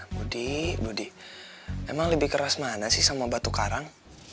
budi budi emang lebih keras mana sih sama batu karang